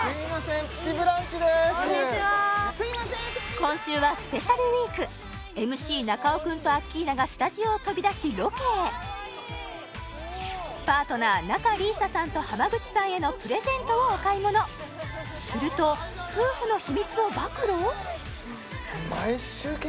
今週はスペシャルウィークＭＣ中尾君とアッキーナがスタジオを飛び出しロケへパートナー仲里依紗さんと濱口さんへのプレゼントをお買い物すると夫婦の秘密を暴露！？